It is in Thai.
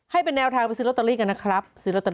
ให้เป็นแนวทางไปซื้อลอตเตอรี่กันนะครับ